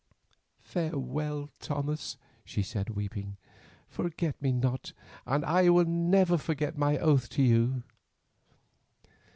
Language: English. "Farewell, Thomas," she said weeping. "Forget me not and I will never forget my oath to you."